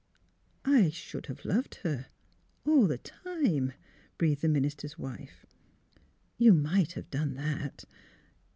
" I — should have loved her — all the time," breathed the minister's wife. " You might have done that.